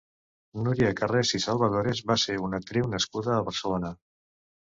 Nuria Carresi Salvadores va ser una actriu nascuda a Barcelona.